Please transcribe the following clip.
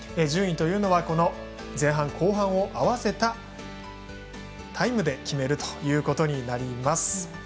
順位というのは前半後半を合わせたタイムで決めるということになります。